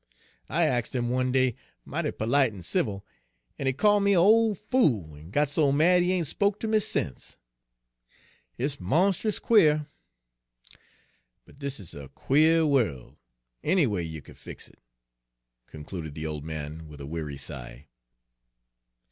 I axed 'im one day, mighty perlite en civil, en he call' me a' ole fool, en got so mad he ain' spoke ter me sence. Hit's monst'us quare. But dis is a quare worl', anyway yer kin fix it," concluded the old man, with a weary sigh.